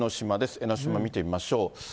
江の島見てみましょう。